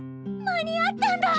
間に合ったんだ！